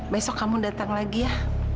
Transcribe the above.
besok kamu datang lagi ya